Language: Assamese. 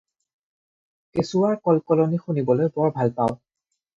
কেঁচুৱাৰ কল-কলনি শুনিবলৈ বৰ ভাল পাওঁ।